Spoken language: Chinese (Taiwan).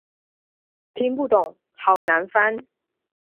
聽不懂，好難翻